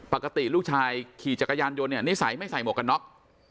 ปกติลูกชายขี่จักรยานยนต์เนี่ยนิสัยไม่ใส่หมวกกันน็อก